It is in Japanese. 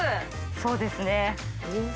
そうですね。